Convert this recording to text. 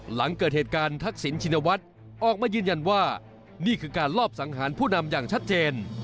หลังเกิดเหตุการณ์ทักษิณชินวัฒน์ออกมายืนยันว่านี่คือการลอบสังหารผู้นำอย่างชัดเจน